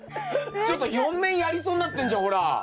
ちょっと４面やりそうになってんじゃんほら。